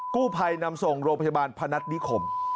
กู้ภัยนำส่งโรงพยาบาลพนัฐนิคม